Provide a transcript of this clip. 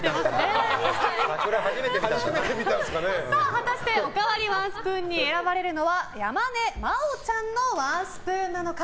果たしておかわりワンスプーンに選ばれるのは山根真央ちゃんのワンスプーンなのか。